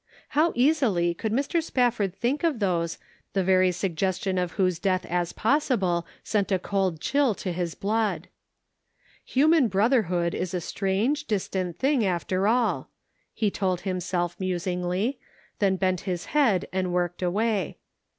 How easily could Mr. Spafford think of those, the very suggestion of whose death as possible, sent a cold chill to his blood. " Human brotherhood is a strange, distant thing, after all," he told himself, musingly, then bent his head and worked away.